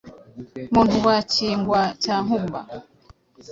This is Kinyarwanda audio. Muntu wa Kigwa cya Nkuba